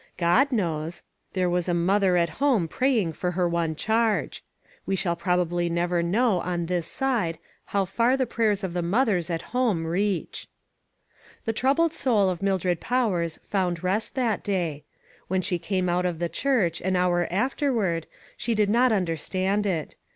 God knows. There was a mother at home pray ing for her one charge. We shall probably never know, on this side, how far the pray ers of the mothers at home reach. The troubled soul of Mildred Powers found rest that day. When she came out of the church, an hour afterward, she did A TOUCH OF THE WORLD. 4OI not understand it.